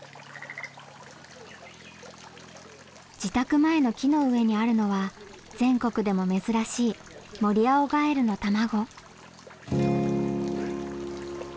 自宅前の木の上にあるのは全国でも珍しいモリアオガエルの卵。